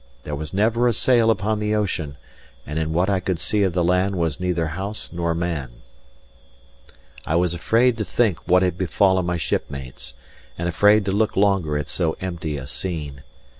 There was never a sail upon the ocean; and in what I could see of the land was neither house nor man. I was afraid to think what had befallen my shipmates, and afraid to look longer at so empty a scene.